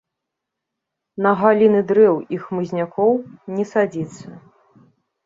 На галіны дрэў і хмызнякоў не садзіцца.